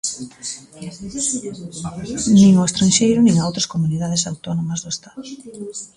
Nin ao estranxeiro nin a outras comunidades autónomas do Estado.